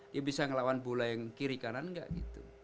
dia bisa ngelawan bola yang kiri kanan nggak gitu